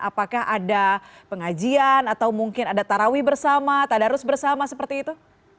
apakah ada pengajian atau mungkin ada tarawih bersama tadarus bersama seperti itu